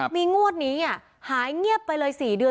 มีงวดนี้หายเงียบไปเลย๔เดือน